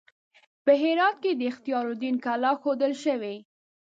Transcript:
په هرات کې د اختیار الدین کلا ښودل شوې.